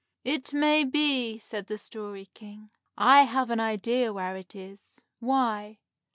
"It may be," said the Story King. "I have an idea where it is. Why?